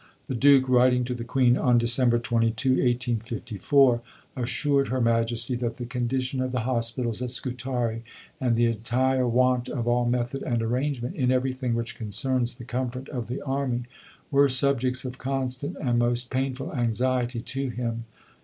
The Duke, writing to the Queen on December 22, 1854, assured Her Majesty that the condition of the Hospitals at Scutari, and the entire want of all method and arrangement in everything which concerns the comfort of the army, were subjects of constant and most painful anxiety to him.